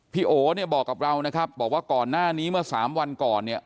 โอเนี่ยบอกกับเรานะครับบอกว่าก่อนหน้านี้เมื่อสามวันก่อนเนี่ย